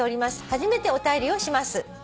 「初めてお便りをします」